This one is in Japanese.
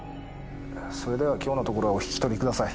それでは今日のところはお引き取りください。